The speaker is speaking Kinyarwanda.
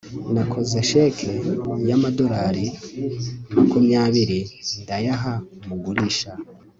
nakoze cheque y'amadorari makumya biri ndayaha umugurisha